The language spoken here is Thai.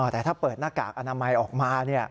แต่ถ้าเปิดหน้ากากอนามัยออกมา